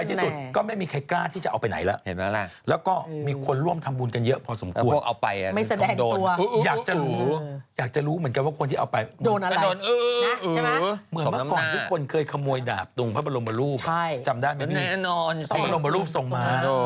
โดนอะไรเหมือนเมื่อพวกเคยขโมยดาบตรงพระบรมรูปจำได้ไหมพี่พระบรมรูปส่งมา